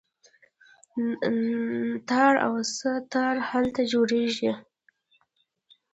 تار او سه تار هلته جوړیږي.